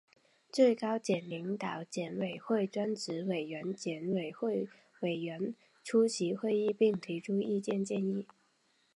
最高检领导、检委会专职委员、检委会委员出席会议并提出意见建议